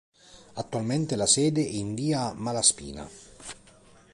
Attualmente la sede è in Via Malaspina.